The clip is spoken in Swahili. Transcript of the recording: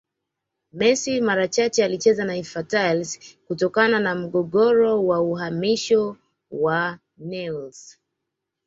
Messi mara chache alicheza na Infantiles kutokana na mgogoro wa uhamisho wa Newells